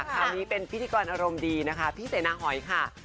คราวนี้เป็นพิธีกรอารมณ์ดีนะคะพี่เสนาหอยค่ะ